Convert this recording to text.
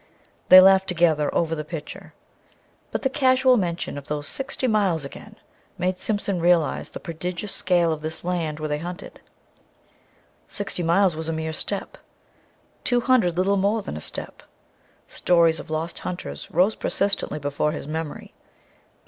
They laughed together over the picture. But the casual mention of those sixty miles again made Simpson realize the prodigious scale of this land where they hunted; sixty miles was a mere step; two hundred little more than a step. Stories of lost hunters rose persistently before his memory.